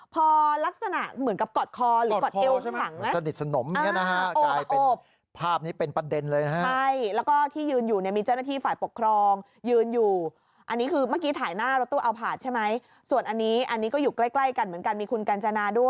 พอลักษณะเหมือนกับกรอดคอหรือกรอดเอวข้างหลังนะคะ